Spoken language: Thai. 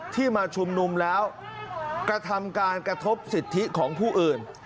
ที่มาชุมนุมแล้วกระทำการกระทบสิทธิของผู้อื่น